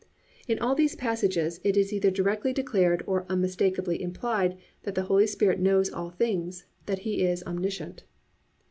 "+ In all these passages it is either directly declared or unmistakably implied that the Holy Spirit knows all things, that He is omniscient.